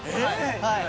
はい！